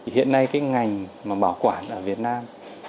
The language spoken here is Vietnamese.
hiện nay cái ngành mà bảo quản ở việt nam